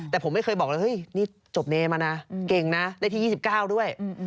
แต่ผมไม่เคยบอกเลยเฮ้ยนี่จบเนมานะเก่งนะได้ที่๒๙ด้วย